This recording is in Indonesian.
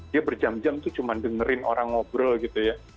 dia berjam jam tuh cuma dengerin orang ngobrol gitu ya